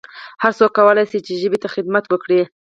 هرڅوک کولای سي چي ژبي ته خدمت وکړي